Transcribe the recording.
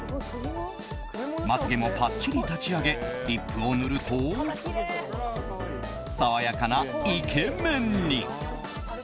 まつ毛もパッチリ立ち上げリップを塗ると爽やかなイケメンに。